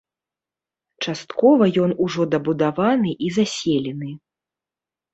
Часткова ён ужо дабудаваны і заселены.